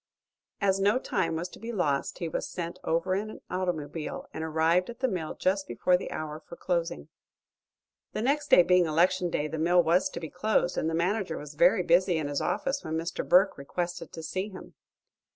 As no time was to be lost he was sent over in an automobile, and arrived at the mill just before the hour for closing. The next day being election day the mill was to be closed, and the manager was very busy in his office when Mr. Burke requested to see him.